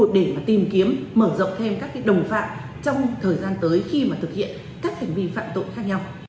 để mà tìm kiếm mở rộng thêm các đồng phạm trong thời gian tới khi mà thực hiện các hành vi phạm tội khác nhau